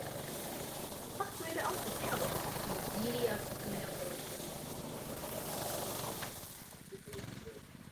V České republice byl vysílán na televizi Universal Chanel s českým dabingem.